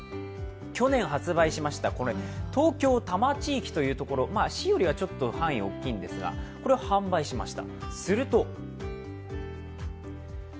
去年発売しました東京・多摩地域というところ、市よりはちょっと範囲が大きいんですがこれを販売しました。